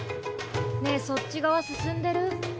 ねぇそっち側進んでる？